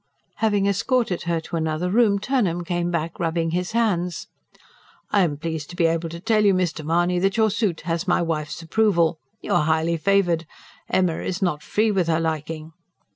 Having escorted her to another room, Turnham came back rubbing his hands. "I am pleased to be able to tell you, Mr. Mahony, that your suit has my wife's approval. You are highly favoured! Emma is not free with her liking."